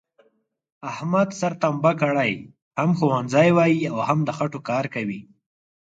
احمد سر تمبه کړی، هم ښوونځی وایي او هم د خټوکار کوي،